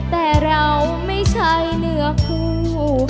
แต่เราไม่ใช่เนื้อคู่